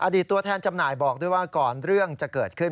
ตัวแทนจำหน่ายบอกด้วยว่าก่อนเรื่องจะเกิดขึ้น